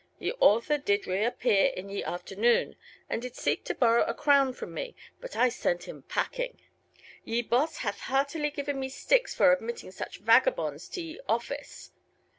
Ye awthour dyd reappeare in ye aufternoone, and dyd seeke to borrowe a crowne from mee, but I sente hym packing. Ye Bosse hath heartilye given me Styx forr admitting such Vagabones to ye Office.